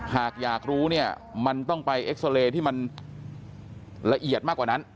หากอยากรู้เนี่ยมันต้องไปเอ็กซาเรย์ที่มันละเอียดมากกว่านั้น